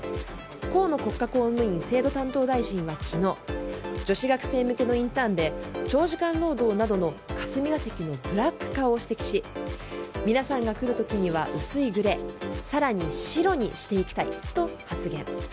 河野国家公務員制度担当大臣は昨日女子学生向けのインターンで長時間労働などの霞が関のブラック化を指摘し皆さんが来る時には薄いグレー更に白にしていきたいと発言。